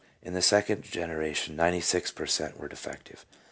In the second genera tion 96 per cent." were defective.